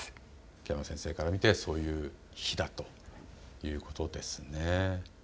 秋山先生から見てそういう日だということですね。